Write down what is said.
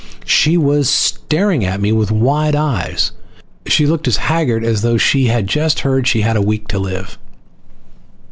She was staring at me with wide eyes. She looked as haggard as though she had just heard she had a week to live.